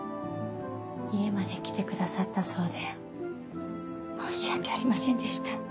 家まで来てくださったそうで申し訳ありませんでした。